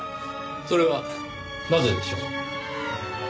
それはなぜでしょう？